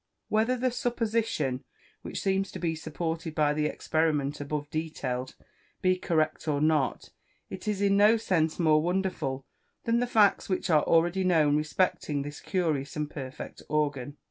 Whether the supposition, which seems to be supported by the experiment above detailed, be correct or not, it is in no sense more wonderful than the facts which are already known respecting this curious and perfect organ.